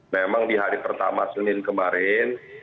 memang di hari pertama senin kemarin